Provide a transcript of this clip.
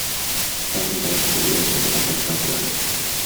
Staley died three years later of a drug overdose.